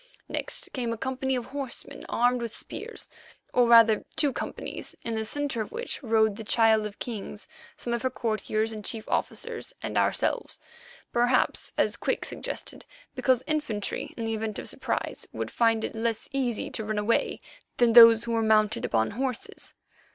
Next came a company of horsemen armed with spears, or rather two companies in the centre of which rode the Child of Kings, some of her courtiers and chief officers, and ourselves, perhaps, as Quick suggested, because infantry in the event of surprise would find it less easy to run away than those who were mounted upon horses.